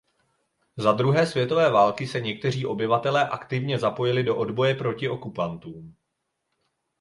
Za druhé světové války se někteří obyvatelé aktivně zapojili do odboje proti okupantům.